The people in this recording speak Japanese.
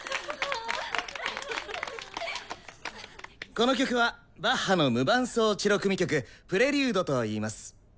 この曲はバッハの無伴奏チェロ組曲「プレリュード」と言います。